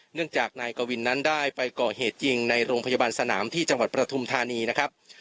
จากนายกวินนั้นได้ไปก่อเหตุจริงในโรงพยาบาลสนามที่จังหวัดประทุมธานีนะครับ